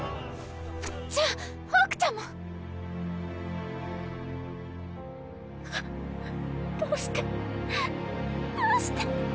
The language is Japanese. じゃあホークちゃんも⁉あっどうしてどうして。